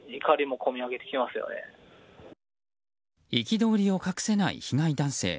憤りを隠せない被害男性。